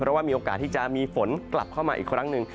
เพราะว่ามีโอกาสที่จะมีฝนกลับเข้ามาอีกครั้งหนึ่ง